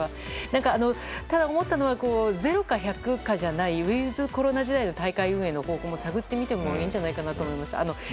ただ、思ったのは０か１００かじゃないウィズコロナ時代の大会運営の方法も探ってみてもいいんじゃないかと思います。